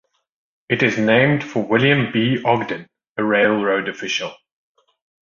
It is named for William B. Ogden, a railroad official.